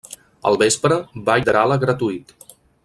Al vespre, ball de gala gratuït.